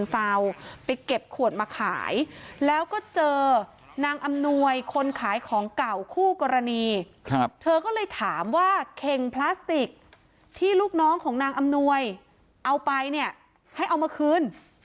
เธอก็เลยถามว่าเข่งพลาสติกที่ลูกน้องของนางอำนวยเอาไปเนี่ยให้เอามาคืน